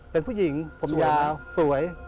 เป็นผู้หญิงสวย